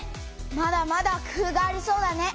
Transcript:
まだまだ工夫がありそうだね。